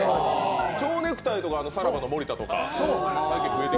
ちょうネクタイはさらばの森田とか増えてきて。